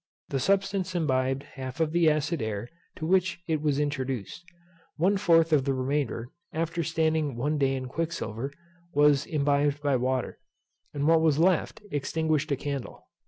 This substance imbibed half of the acid air to which it was introduced: one fourth of the remainder, after standing one day in quicksilver, was imbibed by water, and what was left extinguished a candle.